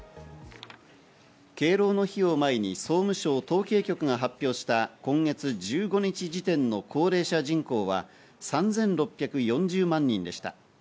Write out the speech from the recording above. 敬老の日を前に総務省統計局が発表した今月１５日時点の高齢者人口は３６４０万人でした。